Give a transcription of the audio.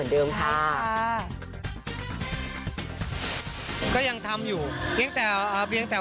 การเดินทางปลอดภัยทุกครั้งในฝั่งสิทธิ์ที่หนูนะคะ